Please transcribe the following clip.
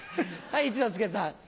一之輔さん。